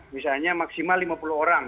misalnya maksimal lima puluh orang